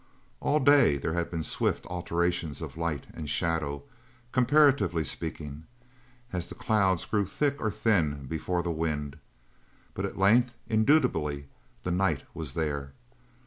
All day there had been swift alterations of light and shadow, comparatively speaking, as the clouds grew thin or thick before the wind. But at length, indubitably, the night was there.